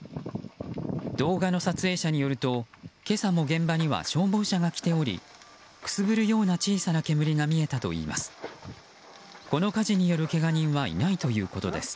動画の撮影者によると今朝も現場には消防車が来ておりくすぶるような小さな煙が見えたといいます。